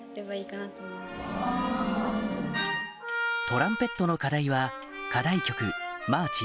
トランペットの課題は課題曲マーチ